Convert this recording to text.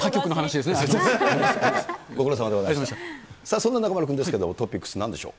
そんな中丸君ですけども、トピックス、なんでしょう。